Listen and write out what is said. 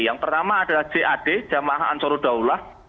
yang pertama adalah cad jamaha ansaruddaullah